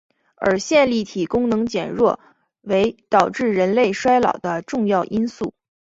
而线粒体功能减弱为导致人类衰老的重要因素。